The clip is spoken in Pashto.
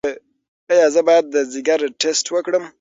ایا زه باید د ځیګر ټسټ وکړم؟